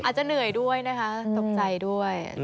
อาจจะเหนื่อยด้วยนะคะตกใจด้วย